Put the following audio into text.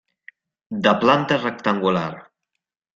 De planta rectangular.